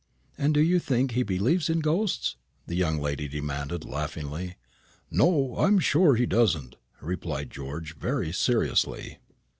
"And do you think he believes in ghosts?" the young lady demanded, laughingly. "No, I am sure he doesn't," replied George, very seriously.